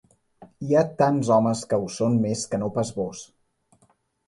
Hi ha tants homes que ho són més que no pas vós.